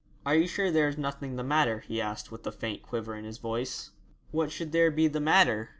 'Are you sure there is nothing the matter?' he asked, with a faint quiver in his voice. 'What should there be the matter?'